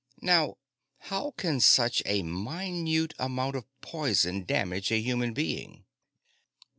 Now, how can such a minute amount of poison damage a human being?"